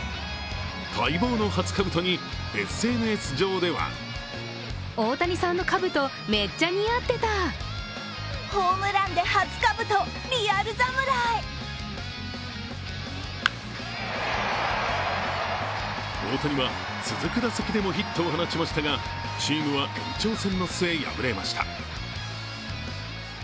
待望の初かぶとにＳＮＳ上では大谷は続く打席でもヒットを放ちましたが、チームは延長戦の末、敗れました。